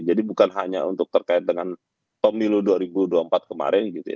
jadi bukan hanya untuk terkait dengan pemilu dua ribu dua puluh empat kemarin gitu ya